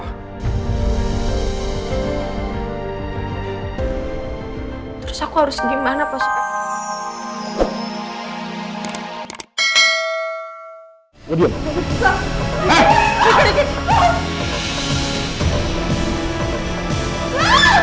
terus aku harus gimana posisi